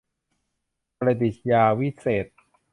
ประติชญาวิเศษณ์